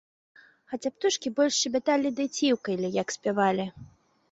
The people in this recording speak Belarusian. Хаця птушкі больш шчабяталі ды ціўкалі, як спявалі.